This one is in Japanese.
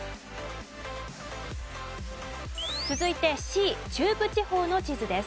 続いてＣ中部地方の地図です。